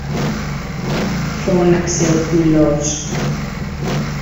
φώναξε ο κουλός.